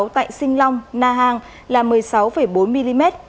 tại sinh long na hàng là một mươi sáu bốn mm